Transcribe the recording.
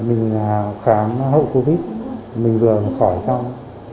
mình khám hậu covid mình vừa khỏi xong